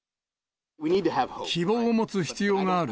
希望を持つ必要がある。